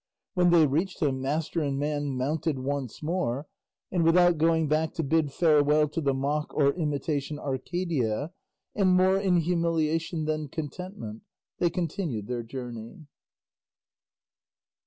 When they reached him master and man mounted once more, and without going back to bid farewell to the mock or imitation Arcadia, and more in humiliation than contentment, they continued their journey.